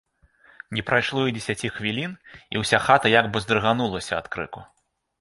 Не прайшло і дзесяці хвілін, і ўся хата як бы здрыганулася ад крыку.